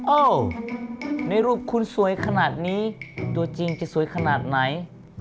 ในรูปคุณสวยขนาดนี้ตัวจริงจะสวยขนาดไหน